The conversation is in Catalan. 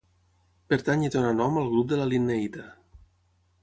Pertany i dóna nom al grup de la linneïta.